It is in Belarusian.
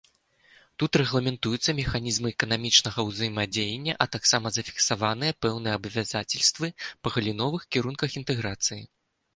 Тут рэгламентуюцца механізмы эканамічнага ўзаемадзеяння, а таксама зафіксаваныя пэўныя абавязацельствы па галіновых кірунках інтэграцыі.